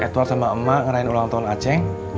edward sama emak ngerayain ulang tahun acing